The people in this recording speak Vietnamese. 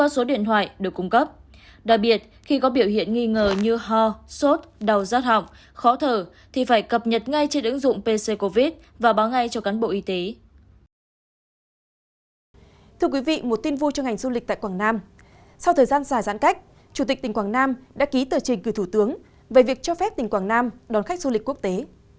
sau thời gian dài giãn cách chủ tịch tỉnh quảng nam đã ký tờ trình gửi thủ tướng về việc cho phép tỉnh quảng nam đón khách du lịch quốc tế